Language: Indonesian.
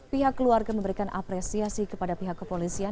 pihak keluarga memberikan apresiasi kepada pihak kepolisian